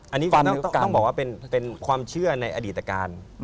อันนี้ต้องบอกว่าเป็นความเชื่อในอดีตการ